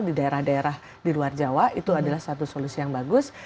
di daerah daerah di luar jawa itu adalah satu solusi yang bagus